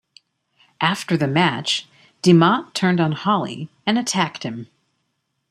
After the match, DeMott turned on Holly and attacked him.